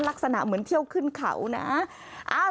ลักษณะเหมือนเที่ยวขึ้นเขานะ